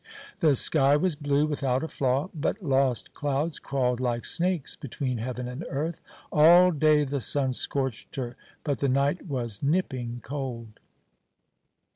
The sky was blue, without a flaw; but lost clouds crawled like snakes between heaven and earth. All day the sun scorched her, but the night was nipping cold.